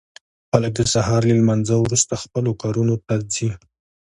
خلک د سهار له لمانځه وروسته خپلو کارونو ته ځي.